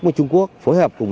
directory của đợt tấn công